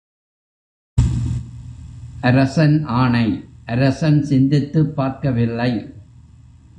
அரசன் ஆணை அரசன் சிந்தித்துப் பார்க்கவில்லை.